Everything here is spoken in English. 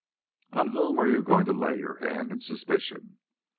On whom are you going to lay your hand in suspicion?